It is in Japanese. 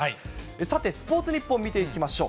さて、スポーツニッポン見ていきましょう。